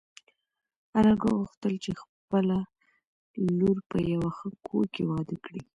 انارګل غوښتل چې خپله لور په یوه ښه کور کې واده کړي.